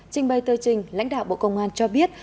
trình bày tờ trình lãnh đạo bộ công an cho biết